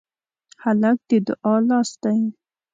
هلک د دعا لاس دی.